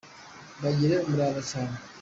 bagira umurava cyane.